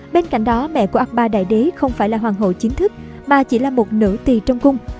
bên cạnh đó mẹ của akbar đại đế không phải là hoàng hộ chính thức mà chỉ là một nữ tỳ trong cung